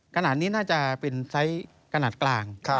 ขนาดนี้น่าจะเป็นไซส์ขนาดกลาง